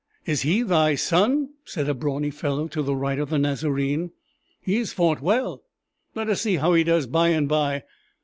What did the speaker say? "Is he thy son?" said a brawny fellow to the right of the Nazarene: "he has fought well; let us see how he does by and by.